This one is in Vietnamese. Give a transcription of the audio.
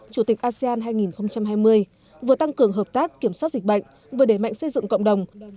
chủ tịch asean hai nghìn hai mươi vừa tăng cường hợp tác kiểm soát dịch bệnh vừa đẩy mạnh xây dựng cộng đồng